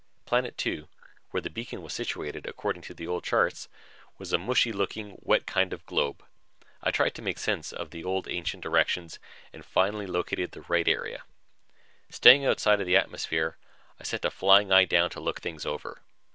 Planet two, where the beacon was situated according to the old charts, was a mushy looking, wet kind of globe. I tried to make sense out of the ancient directions and finally located the right area. Staying outside the atmosphere, I sent a flying eye down to look things over.